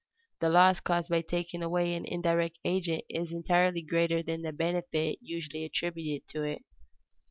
The loss caused by taking away an indirect agent entirely is greater than the benefit usually attributed to it.